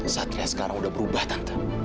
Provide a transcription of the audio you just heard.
satria sekarang udah berubah tante